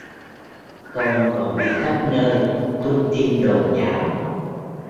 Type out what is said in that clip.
Không còn đi khắp nơi tung tin đồn nhảm